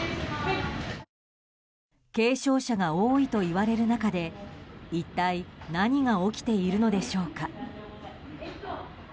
軽症者が多いといわれる中で一体、何が起きているのでしょうか。